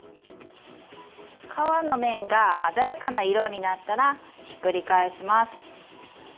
皮の面が鮮やかな色になったらひっくり返します。